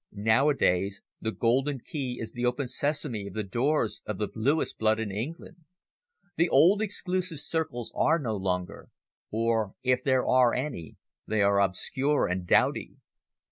Nowadays, the golden key is the open sesame of the doors of the bluest blood in England. The old exclusive circles are no longer, or if there are any, they are obscure and dowdy.